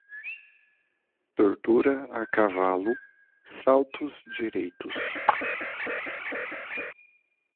Tortura a cavalo, saltos direitos.